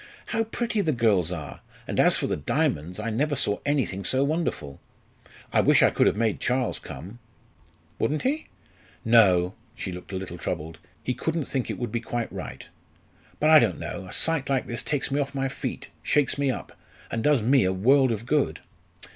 "How pretty the girls are! And as for the diamonds, I never saw anything so wonderful. I wish I could have made Charles come!" "Wouldn't he?" "No" she looked a little troubled "he couldn't think it would be quite right. But I don't know a sight like this takes me off my feet, shakes me up, and does me a world of good!"